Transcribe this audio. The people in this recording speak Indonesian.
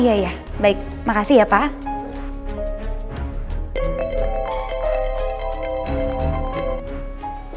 oh iya baik makasih ya pak